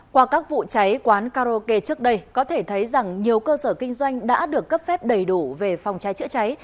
qua các vụ cháy quán karaoke trước đây có thể thấy rằng nhiều cơ sở kinh doanh đã được cấp phép đầy đủ về phòng cháy chữa cháy